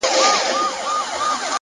چي بیا يې ونه وینم ومي نه ويني